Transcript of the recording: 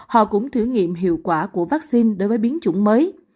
họ cũng thử nghiệm hiệu quả của vaccine đối với biến chủng mới